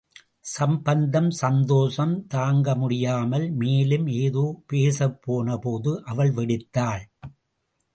சம்பந்தம், சந்தோஷம் தாங்க, முடியாமல் மேலும் ஏதோ பேசப்போனபோது, அவள் வெடித்தாள்.